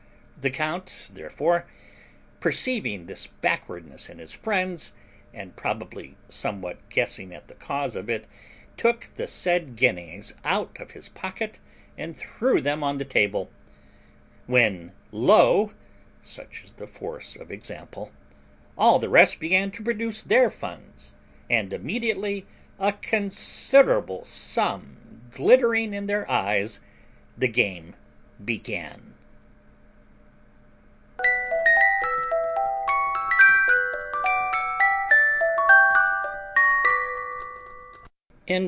The count, therefore, perceiving this backwardness in his friends, and probably somewhat guessing at the cause of it, took the said guineas out of his pocket, and threw them on the table; when lo, (such is the force of example) all the rest began to produce their funds, and immediately, a considerable sum glittering in their eyes, the game began.